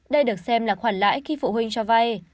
đây được xem là khoản lãi khi phụ huynh cho vay